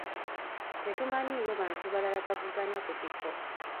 Tetumanyiiyo bantu balala bavuganya ku kifo.